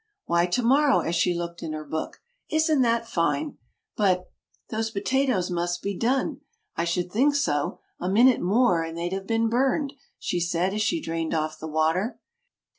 "] "Why, to morrow!" as she looked in her book. "Isn't that fine! But those potatoes must be done. I should think so! A minute more, and they'd have been burned!" she said as she drained off the water.